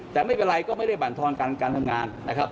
แต่ไม่เป็นไรก็ไม่ได้บรรทอนการทำงานนะครับ